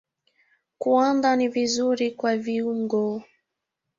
Kuanda ni vizuri kwa viungo.